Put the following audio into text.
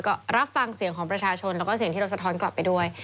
ก็รับฟังเสียงของประชาชนแล้วก็เสียงที่เราสะท้อนกลับไปด้วย